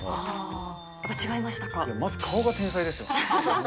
まず顔が天才ですよね。